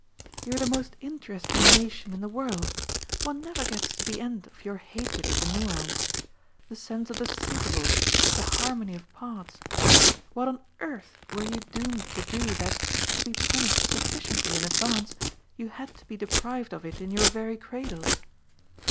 "You're the most interesting nation in the world. One never gets to the end of your hatred of the nuance. The sense of the suitable, the harmony of parts what on earth were you doomed to do that, to be punished sufficiently in advance, you had to be deprived of it in your very cradles?